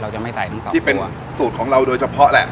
ที่เป็นสูทของเราโดยเฉพาะแหละ